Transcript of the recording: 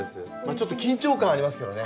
ちょっと緊張感ありますけどね。